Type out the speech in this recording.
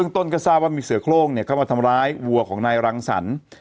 ต้นก็ทราบว่ามีเสือโครงเข้ามาทำร้ายวัวของนายรังสรรค์